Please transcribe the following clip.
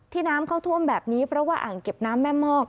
น้ำเข้าท่วมแบบนี้เพราะว่าอ่างเก็บน้ำแม่มอก